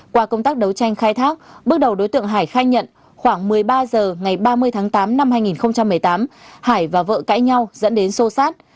qua công tác đấu tranh khai thác bước đầu đối tượng hải khai nhận khoảng một mươi ba h ngày ba mươi tháng tám năm hai nghìn một mươi tám hải và vợ cãi nhau dẫn đến sô sát